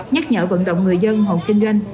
nhắc nhở vận động người dân hộ kinh doanh